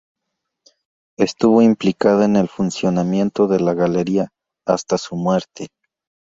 Estuvo implicada en el funcionamiento de la Galería, hasta su muerte.